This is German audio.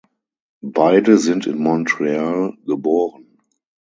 Beide sind in Montreal geboren.